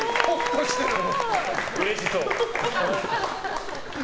うれしそう。